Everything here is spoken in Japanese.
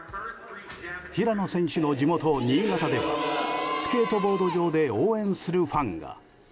平野選手の地元・新潟ではスケートボード場で応援するファンが。